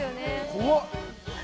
怖っ。